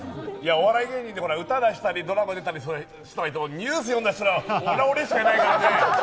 お笑い芸人って、歌を出したりドラマに出たりするけどニュースを読んだ人は俺しかいないからね。